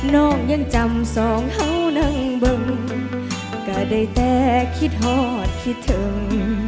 น้องยังจำสองเห่านั่งบึงก็ได้แต่คิดหอดคิดถึง